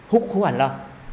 hút khu hành lo